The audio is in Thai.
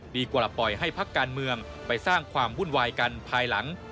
กว่าปล่อยให้พักการเมืองไปสร้างความวุ่นวายกันภายหลัง